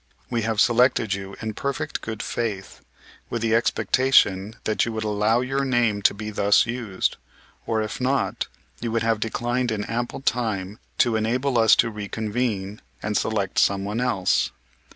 We have selected you in perfect good faith, with the expectation that you would allow your name to be thus used; or, if not, you would have declined in ample time to enable us to reconvene, and select someone else.